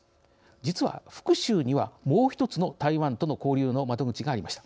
実は、福州にはもう一つの台湾との交流の窓口がありました。